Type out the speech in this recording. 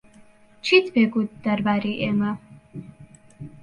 چیت پێ گوت دەربارەی ئێمە؟